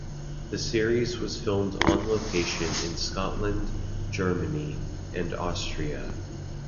The series was filmed on location in Scotland, Germany and Austria.